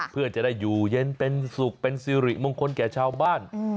เพื่อจะได้อยู่เย็นเป็นสุขเป็นสิริมงคลแก่ชาวบ้าน